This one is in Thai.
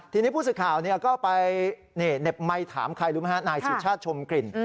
ทีนี้ผู้สึกข่าวก็ไปเน็บไม้ถามใครนายสุชาติชมกลิ่น